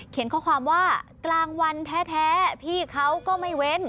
ข้อความว่ากลางวันแท้พี่เขาก็ไม่เว้น